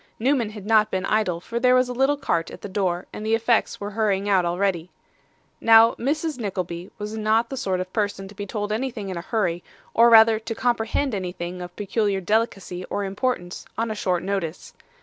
Newman had not been idle, for there was a little cart at the door, and the effects were hurrying out already. Now, Mrs. Nickleby was not the sort of person to be told anything in a hurry, or rather to comprehend anything of peculiar delicacy or importance on a short notice.